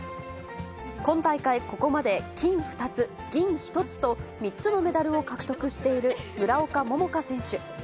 今大会、ここまで金２つ、銀１つと、３つのメダルを獲得している村岡桃佳選手。